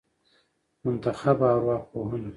منتخبه ارواپوهنه